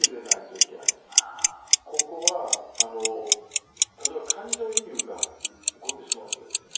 ここは例えば感情移入が起こってしまうとですね